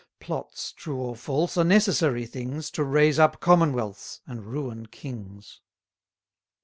Plots, true or false, are necessary things, To raise up commonwealths, and ruin kings.